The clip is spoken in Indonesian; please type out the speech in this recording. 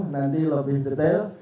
nanti lebih detail